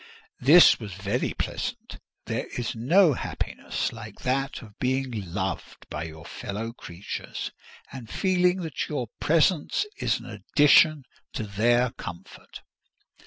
This was very pleasant; there is no happiness like that of being loved by your fellow creatures, and feeling that your presence is an addition to their comfort.